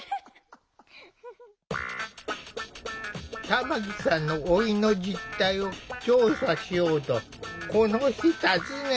玉木さんの老いの実態を調査しようとこの日訪ねたのは。